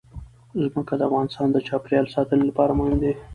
ځمکه د افغانستان د چاپیریال ساتنې لپاره مهم دي.